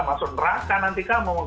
masuk neraka nanti kamu